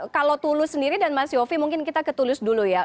kalau tulus sendiri dan mas yofi mungkin kita ke tulus dulu ya